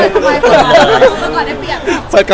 เปิดก่อนให้เปรียบครับ